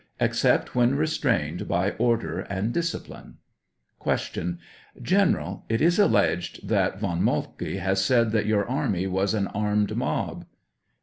Except when restrained by order and discipline. Q. General, it is alleged that Von Moltke has said that your army was an armed mob